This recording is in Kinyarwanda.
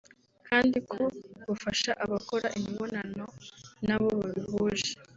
Kandi ko bufasha abakora imibonano n’abo babihuje